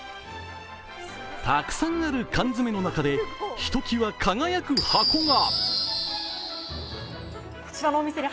たくさんある缶詰の中でひときわ輝く箱が。